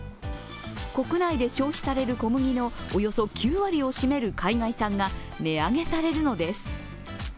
国内で消費される小麦のおよそ９割を占める海外産が値上げされるのです。